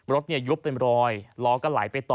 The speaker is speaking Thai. ยุบเป็นรอยล้อก็ไหลไปต่อ